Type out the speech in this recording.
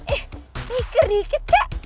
eh mikir dikit kek